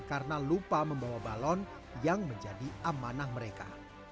karena lupa membawa balon yang menjadi amanah mereka